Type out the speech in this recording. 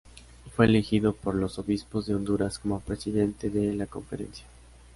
Fue elegido por los Obispos de Honduras como presidente de la conferencia.